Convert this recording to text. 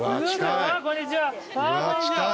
こんにちは。